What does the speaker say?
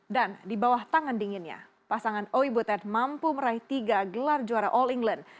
dan di bawah tangan dinginnya pasangan oi butet mampu meraih tiga gelar juara all england